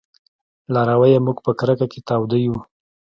لارويه! موږ په کرکه کې تاوده يو